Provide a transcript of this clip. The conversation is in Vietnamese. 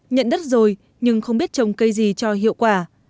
nhận đất rồi nhưng không biết trồng cây gì cho hiệu quả